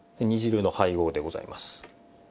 煮汁の配合でございます。